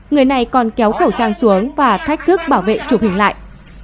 người này còn kéo khẩu trang xuống và thách thức bảo vệ chụp hình lại